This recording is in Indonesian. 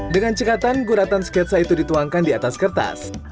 dengan cekatan guratan sketsa itu dituangkan di atas kertas